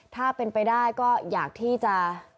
ถ้าเป็นไปได้ก็อยากที่จะ